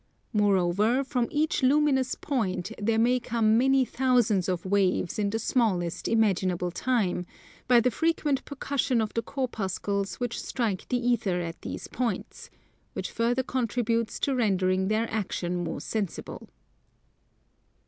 Moreover from each luminous point there may come many thousands of waves in the smallest imaginable time, by the frequent percussion of the corpuscles which strike the Ether at these points: which further contributes to rendering their action more sensible.